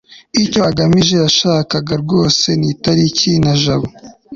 icyo ngamije yashakaga rwose ni itariki na jabo